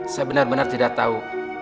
saya benar benar tidak tahu